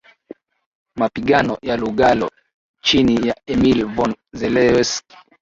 Mapigano ya Lugalo chini ya Emil von Zelewski